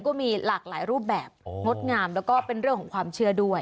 ก็มีหลากหลายรูปแบบงดงามแล้วก็เป็นเรื่องของความเชื่อด้วย